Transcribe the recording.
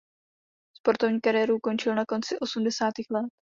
Sportovní kariéru ukončil na konci osmdesátých let.